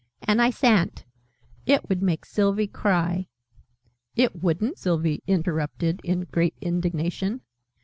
"And I sa'n't. It would make Sylvie cry " "It wouldn't!," Sylvie interrupted in great indignation.